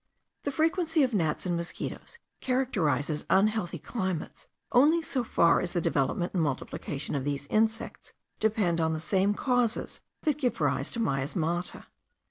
The frequency of gnats and mosquitos characterises unhealthy climates only so far as the development and multiplication of these insects depend on the same causes that give rise to miasmata.